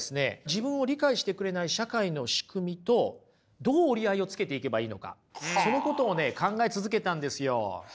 自分を理解してくれない社会の仕組みとどう折り合いをつけていけばいいのかそのことをね考え続けたんですよ。